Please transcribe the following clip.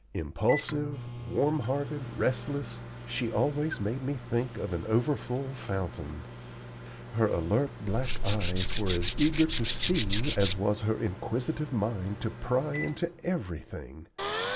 Impulsive, warm hearted, restless, she always made me think of an overfull fountain. Her alert black eyes were as eager to see as was her inquisitive mind to pry into everything.